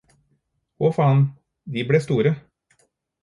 Å faen, de ble store